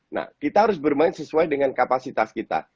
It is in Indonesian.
nah kita harus bermain sesuai dengan kapasitas kita